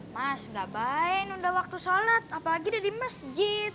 mas gak baik nunda waktu sholat apalagi udah di masjid